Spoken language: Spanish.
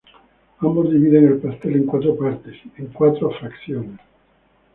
Ambos dividen el pastel en cuatro partes, en cuatro fracciones.